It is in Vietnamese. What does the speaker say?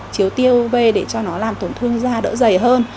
chiếu tiêu uv để cho nó làm tổn thương da đỡ dày hơn